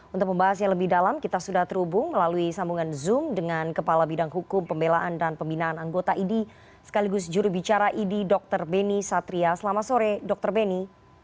untuk pembahas yang lebih dalam kita sudah terhubung melalui sambungan zoom dengan kepala bidang hukum pembelaan dan pembinaan anggota idi sekaligus jurubicara idi dr beni satria selamat sore dr beni